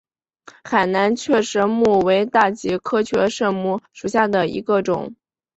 海南雀舌木为大戟科雀舌木属下的一个种。